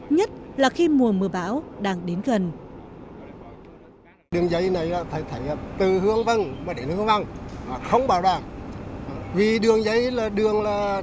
nhất là khi mùa mưa bão đang đến gần